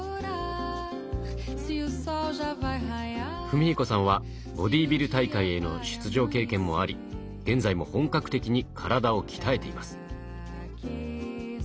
史彦さんはボディービル大会への出場経験もあり現在も本格的に体を鍛えています。